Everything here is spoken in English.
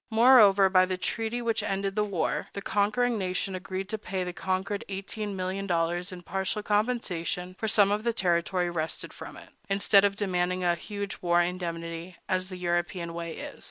Moreover, by the treaty which ended the war, the conquering nation agreed to pay the conquered eighteen million dollars in partial compensation for some of the territory wrested from it, instead of demanding a huge war indemnity, as the European way is.